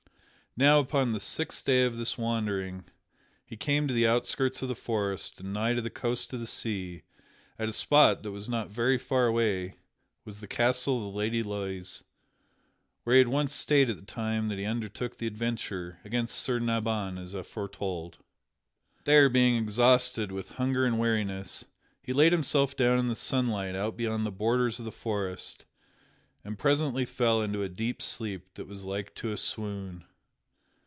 Now upon the sixth day of this wandering he came to the outskirts of the forest and nigh to the coast of the sea at a spot that was not very far away was the castle of the Lady Loise, where he had once stayed at the time that he undertook the adventure against Sir Nabon as aforetold. There, being exhausted with hunger and weariness, he laid himself down in the sunlight out beyond the borders of the forest and presently fell into a deep sleep that was like to a swoon.